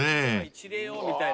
一礼をみたいな。